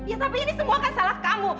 ya tapi ini semua kan salah kamu